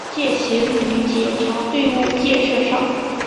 践行于检察队伍建设上